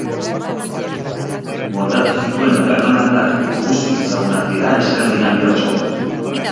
Moldatu zituen taberna-kantak guztiz ezagunak dira Eskandinavia osoan.